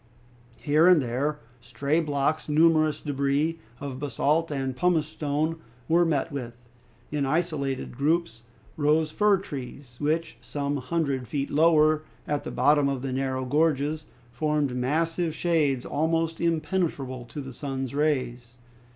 Here and there stray blocks, numerous debris of basalt and pumice stone, were met with. In isolated groups rose fir trees, which, some hundred feet lower, at the bottom of the narrow gorges, formed massive shades almost impenetrable to the sun's rays.